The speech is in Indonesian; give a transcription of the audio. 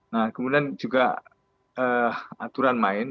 nah kemudian juga aturan main